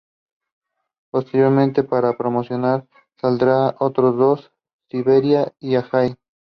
Posteriormente para promocionar saldrían otros dos, "Siberia" y "Again".